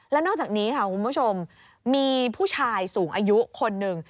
แล้วนอกจากนี้ค่ะคุณผู้ชมมีผู้ชายสูงอายุคนหนึ่ง